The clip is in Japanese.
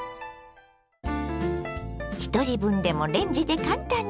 ひとり分でもレンジで簡単に！